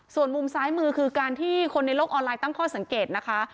ส่วนมุมซ้ายมือคือการที่คนในโลกออนไลน์ตั้งข้อสังเกตนะคะ